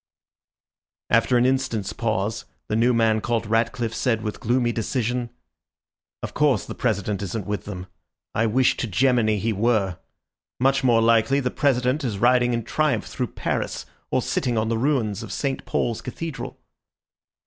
After an instant's pause the new man called Ratcliffe said with gloomy decision— "Of course the President isn't with them. I wish to Gemini he were. Much more likely the President is riding in triumph through Paris, or sitting on the ruins of St. Paul's Cathedral."